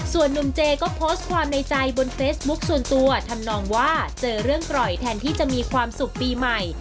ส่วนนุ่มเจก็โพสต์ความในใจบนเฟซบุ๊คส่วนตัวทำนองว่าเจอเรื่องปล่อยแทนที่จะมีความสุขปีใหม่